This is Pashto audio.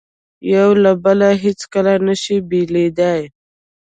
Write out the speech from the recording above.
یو له بله هیڅکله نه شي بېلېدای.